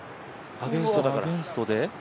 アゲンストで？